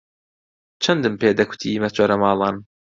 چەندەم پێ دەکوتی مەچۆرە ماڵان